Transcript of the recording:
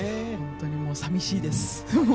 本当にさみしいです。